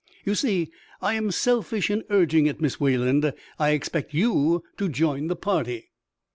You see, I am selfish in urging it, Miss Wayland. I expect you to join the party."